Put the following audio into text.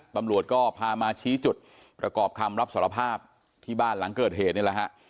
ตำรวจก็พามาชี้จุดประกอบคำรับสารภาพที่บ้านหลังเกิดเหตุนี่แหละฮะ